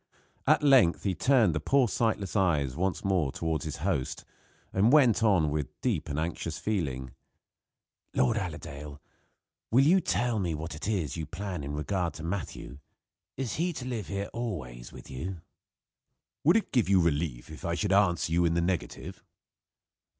At length he turned the poor sightless eyes once more toward his host, and went on, with deep and anxious feeling: "Lord Allerdale, will you tell me what is your plan in regard to Matthew. Is he to live here always with you?" "Would it give you relief if I should answer you in the negative?"